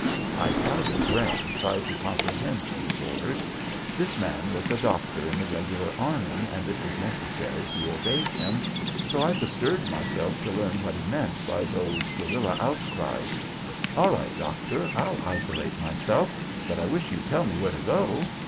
My clouded brain tried to comprehend these orders. This man was a doctor in the regular army, and it was necessary to obey him, so I bestirred myself to learn what he meant by these gorilla outcries. "All right, doctor; I'll isolate myself, but I wish you'd tell me where to go."